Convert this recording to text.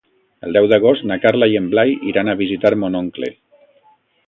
El deu d'agost na Carla i en Blai iran a visitar mon oncle.